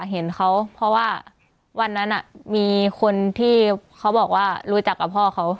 เห็นเขาเพราะว่าวันนั้นมีคนที่เขาบอกว่ารู้จักกับพ่อเขา